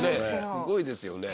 すごいですよね。